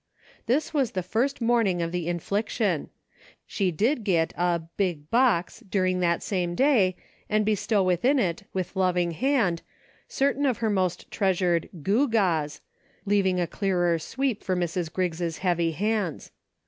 This was the first morning of the infliction. She did get a " big box " during that same day, and bestow within it with loving hand, certain of her most treasured " gewgaws," leaving a clearer sweep for Mrs. Griggs' heavy hands.